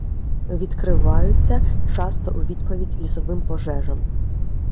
Відкриваються часто у відповідь лісовим пожежам.